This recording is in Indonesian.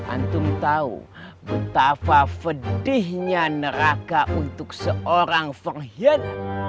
antum tahu betapa fedihnya neraka untuk seorang pengkhianat